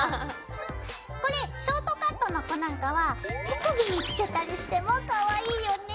これショートカットの子なんかは手首につけたりしてもかわいいよね。